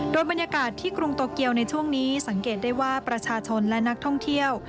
โดยบรรยากาศที่กรุงโตเกียวในช่วงนี้สังเกตได้ว่าประชาชนและนักท่องเที่ยว